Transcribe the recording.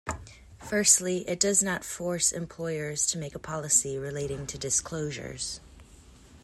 Firstly, it does not force employers to make a policy relating to disclosures.